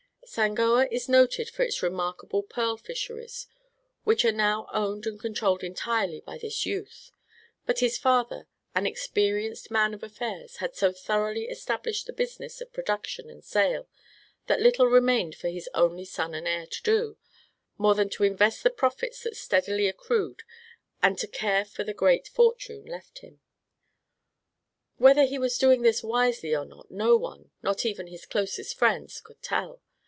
Sangoa is noted for its remarkable pearl fisheries, which were now owned and controlled entirely by this youth; but his father, an experienced man of affairs, had so thoroughly established the business of production and sale that little remained for his only son and heir to do, more than to invest the profits that steadily accrued and to care for the great fortune left him. Whether he was doing this wisely or not no one not even his closest friends could tell.